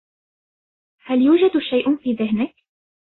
هل يوجد شيئ في ذهنك ؟